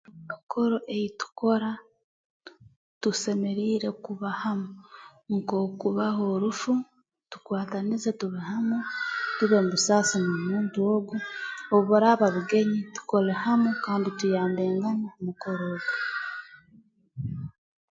Mikoro ei tukora tusemeriire kuba hamu nk'okubaho orufu tukwatanize tube hamu tube ntusaasa n'omuntu ogu obu buraaba bugenyi tukole hamu kandi tuyambengana mu mukoro ogu